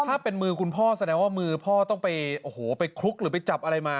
ถ้าเป็นมือคุณพ่อแสดงว่ามือพ่อต้องไปโอ้โหไปคลุกหรือไปจับอะไรมา